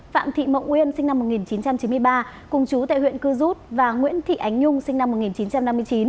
phạm thị mộng nguyên sinh năm một nghìn chín trăm chín mươi ba cùng chú tại huyện cư rút và nguyễn thị ánh nhung sinh năm một nghìn chín trăm năm mươi chín